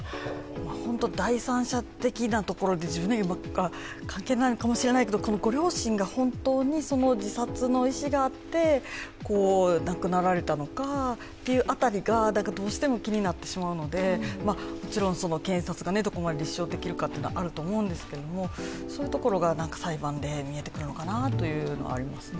本当に第三者的なところで、関係ないかもしれないけど、このご両親が本当に自殺の意思があって亡くなられたのかという辺りがどうしても気になってしまうのでもちろん検察がどこまで立証できるのかがあると思うんですけれども、そういうところが何か裁判で見えてくるのかなとは思いますね。